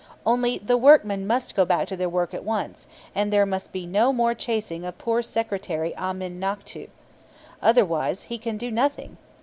Only the workmen must go back to their work at once, and there must be no more chasing of poor Secretary Amen nachtu. Otherwise, he can do nothing.